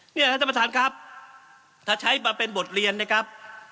เนี่ยท่านประธานครับถ้าใช้มาเป็นบทเรียนนะครับ